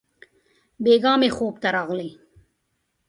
بېګاه مي خوب ته راغلې!